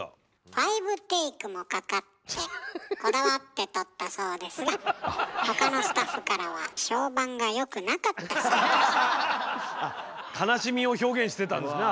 ５テイクもかかってこだわって撮ったそうですが他のスタッフからは悲しみを表現してたんですねあれで。